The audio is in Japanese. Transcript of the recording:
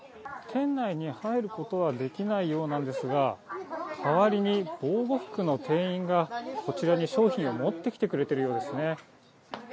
店内に入ることはできないようなんですが、代わりに防護服の店員が、こちらに商品を持ってきてくれてるようですね。